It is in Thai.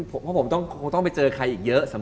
เป็นต้องไปเจอใครอีกเยอะ